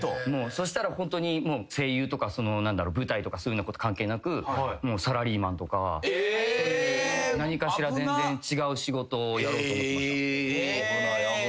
そしたらホントに声優とか舞台とか関係なくサラリーマンとかそういう何かしら全然違う仕事をやろうと思ってました。